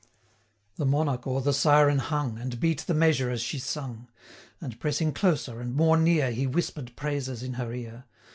The Monarch o'er the siren hung, And beat the measure as she sung; And, pressing closer, and more near, He whisper'd praises in her ear.